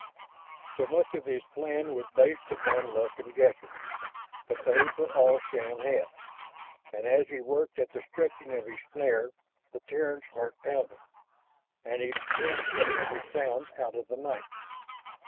So much of his plan was based upon luck and guesses, but those were all Shann had. And as he worked at the stretching of his snare, the Terran's heart pounded, and he tensed at every sound out of the night.